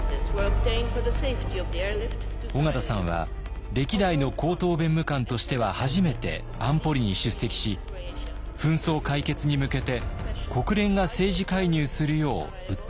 緒方さんは歴代の高等弁務官としては初めて安保理に出席し紛争解決に向けて国連が政治介入するよう訴えます。